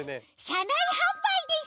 しゃないはんばいです。